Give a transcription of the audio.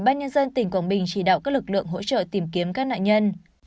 nhân dân tỉnh cổng bình chỉ đạo các lực lượng hỗ trợ tìm kiếm các nạn nhân